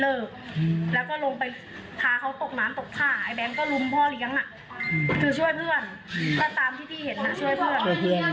เอ้แบ๊งก็หลุมพ่อเลี้ยงอ่ะ